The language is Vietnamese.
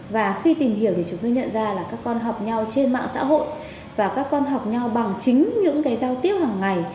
và khi tìm hiểu thì chúng tôi nhận ra là các con học nhau trên mạng xã hội và các con học nhau bằng chính những cái giao tiếp hàng ngày